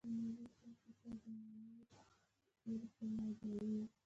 نور دوه یې زخمیان وو چې سخت ټپي شوي وو.